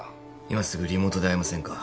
今すぐリモートで会えませんか？